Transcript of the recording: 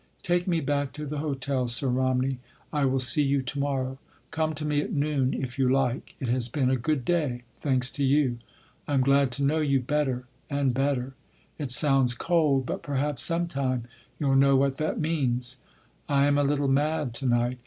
Take me back to the hotel, Sir Romney, I will see you to morrow. Come to me at noon if you like. It has been a good day—thanks to you. I’m glad to know you better and better. It sounds cold—but perhaps some time you’ll know what that means. I am a little mad to night....